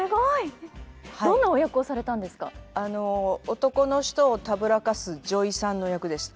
男の人をたぶらかす女医さんの役でした。